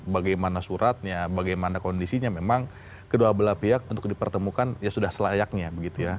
bagaimana suratnya bagaimana kondisinya memang kedua belah pihak untuk dipertemukan ya sudah selayaknya begitu ya